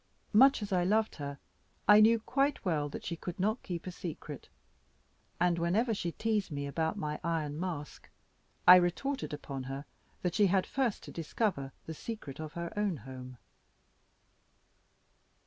Much as I loved her, I knew quite well that she could not keep a secret, and whenever she teased me about my "iron mask," I retorted upon her that she had first to discover the secret of her own home.